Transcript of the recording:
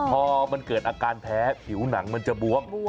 พอมันเกิดอาการแพ้ผิวหนังมันจะบวม